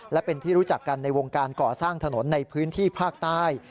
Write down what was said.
และเป็นที่รู้จักกันในวงการก่อสร้างถนนในพื้นที่ภาคใต้